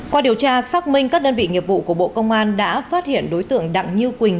qua điều tra xác minh các đơn vị nghiệp vụ của bộ công an đã phát hiện đối tượng đặng như quỳnh